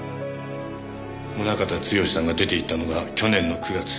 宗方剛史さんが出て行ったのが去年の９月。